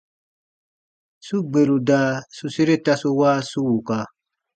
Su gberu da su sere tasu wa su wuka.